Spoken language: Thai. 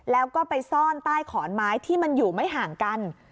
แล้วก็ไปซ่อนใต้ขอนไม้ที่มันอยู่ไม่ห่างกัน